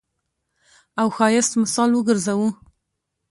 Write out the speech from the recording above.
او ښايست مثال وګرځوو.